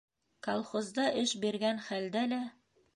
Колхозда эш биргән хәлдә лә...